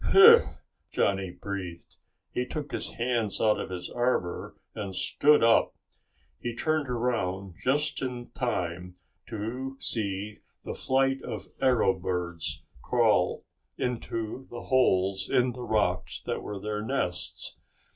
"Whew!" Johnny breathed. He took his hands out of his armor and stood up. He turned around just in time to see the flight of arrow birds crawl into the holes in the rocks that were their nests.